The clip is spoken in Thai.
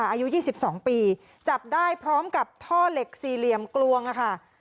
อายุ๒๒ปีจับได้พร้อมกับท่อเหล็กสี่เหลี่ยมกลวงค่ะ